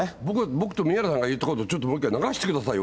僕と宮根さんが言ったこと、ちょっともう一回、流してくださいよ。